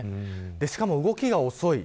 しかも、動きが遅い。